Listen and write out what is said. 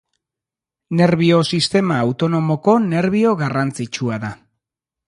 Nerbio sistema autonomoko nerbio garrantzitsua da.